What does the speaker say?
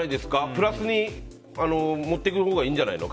プラスに持っていくほうがいいんじゃないの。